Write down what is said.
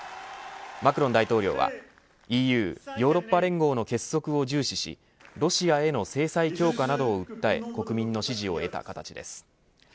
マクロン大統領はＥＵヨーロッパ連合の結束を重視しロシアへの制裁強化などを訴え国民の支持を得た形です。